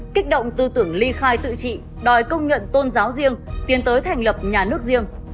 kích động tư tưởng ly khai tự trị đòi công nhận tôn giáo riêng tiến tới thành lập nhà nước riêng